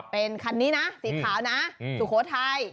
เป็นคันนี้นะสีขาวนะสุโขทัย